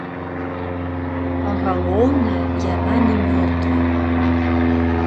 А галоўнае, яна не мёртвая.